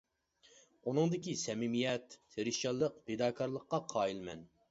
ئۇنىڭدىكى سەمىمىيەت، تىرىشچانلىق، پىداكارلىققا قايىلمەن!